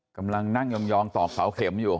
กำลังนั่งยองต่อเขาเข็มอยู่